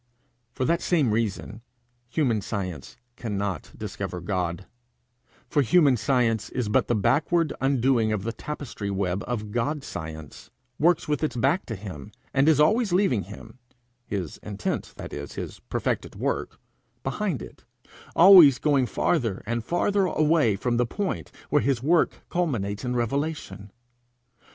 For that same reason, human science cannot discover God; for human science is but the backward undoing of the tapestry web of God's science, works with its back to him, and is always leaving him his intent, that is, his perfected work behind it, always going farther and farther away from the point where his work culminates in revelation.